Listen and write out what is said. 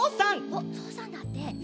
おっぞうさんだって。